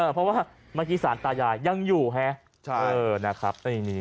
เพราะว่าเมื่อกี้สารตายายยังอยู่ฮะ